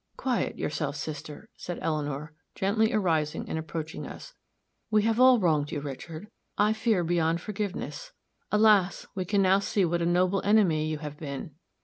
"Quiet yourself, sister," said Eleanor, gently, arising and approaching us. "We have all wronged you, Richard I fear beyond forgiveness. Alas! we can now see what a noble enemy you have been!"